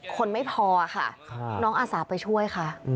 คนไม่พอค่ะน้องอาสาไปช่วยค่ะ